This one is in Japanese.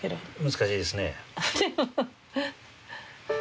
難しいですね。